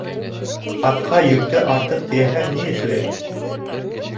Атҡа йөктө артыҡ тейәһәң ни эшләй?